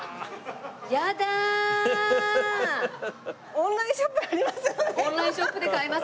オンラインショップあります。